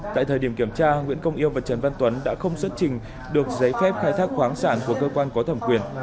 tại thời điểm kiểm tra nguyễn công yêu và trần văn tuấn đã không xuất trình được giấy phép khai thác khoáng sản của cơ quan có thẩm quyền